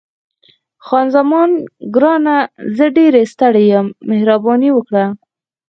خان زمان: ګرانه، زه ډېره ستړې یم، مهرباني وکړه.